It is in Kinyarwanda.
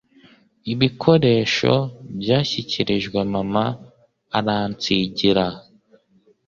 Ibikoresho - byashyikirijwe mama aransigira.